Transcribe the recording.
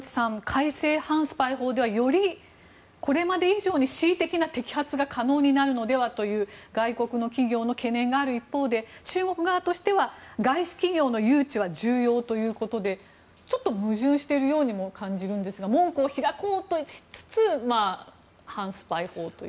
改正反スパイ法ではこれまで以上に恣意的な摘発が可能になるのではという外国の企業の懸念がある一方で中国側としては外資企業の誘致は重要ということでちょっと矛盾しているようにも感じるんですが門戸を開こうとしつつ反スパイ法という。